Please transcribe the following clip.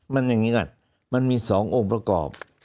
มันอย่างนี้ก่อนมันมี๒องค์ประกอบ